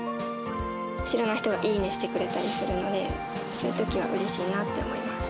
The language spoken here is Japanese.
知らない人がいいねしてくれたりするので、そういうときはうれしいなって思います。